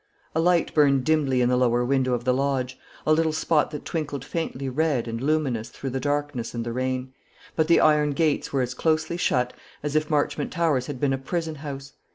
A light burned dimly in the lower window of the lodge, a little spot that twinkled faintly red and luminous through the darkness and the rain; but the iron gates were as closely shut as if Marchmont Towers had been a prison house.